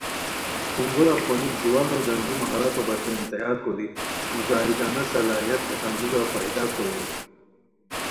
کھونگورہ پھونیک جوانو جنگی مہارتو بچین تیار کوری مجاہدانہ صلاحیت ہیتان موژی پیدا کوروئے